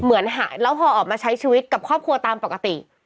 เหมือนหายแล้วพอออกมาใช้ชีวิตกับครอบครัวตามปกติ